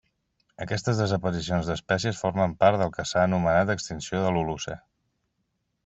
Aquestes desaparicions d'espècies formen part del que s'ha anomenat extinció de l'Holocè.